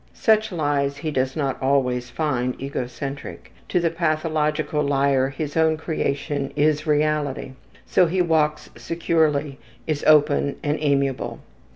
Such lies he does not always find egocentric. To the pathological liar his own creation is reality, so he walks securely, is open and amiable.